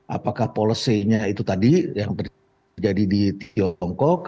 apakah policy nya itu tadi yang terjadi di tiongkok